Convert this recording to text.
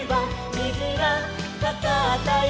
「にじがかかったよ」